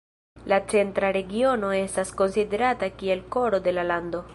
La centra regiono estas konsiderata kiel koro de la lando.